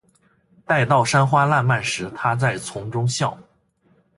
待到山花烂漫时，她在丛中笑。